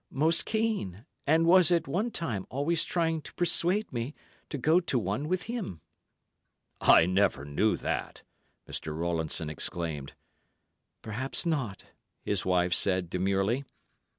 "Most keen, and was at one time always trying to persuade me to go to one with him." "I never knew that," Mr. Rowlandson exclaimed. "Perhaps not," his wife said demurely.